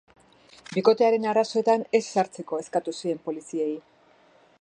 Bikotearen arazoetan ez sartzeko eskatu zien poliziei.